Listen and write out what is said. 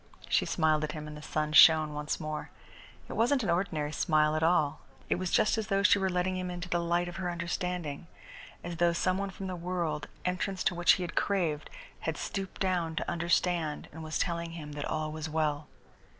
She smiled at him and the sun shone once more. It wasn't an ordinary smile at all. It was just as though she were letting him into the light of her understanding, as though some one from the world, entrance into which he had craved, had stooped down to understand and was telling him that all was well.